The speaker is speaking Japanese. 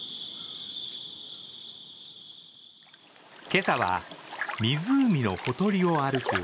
今朝は湖のほとりを歩く